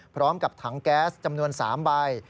พร้อมกับถังแก๊สจำนวน๓ใบ